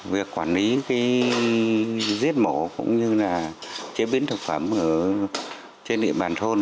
việc quản lý giết mổ cũng như là chế biến thực phẩm trên địa bàn thôn